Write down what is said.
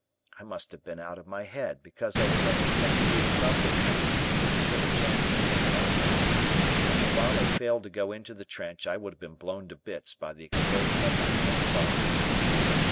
I must have been out of my head because I was only ten feet from the trench and took a chance of being mangled. If the bomb had failed to go into the trench I would have been blown to bits by the explosion of my own bomb.